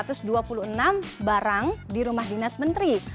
kemenpora menjaga tiga ribu dua ratus dua puluh enam barang di rumah dinas menteri